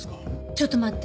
ちょっと待って。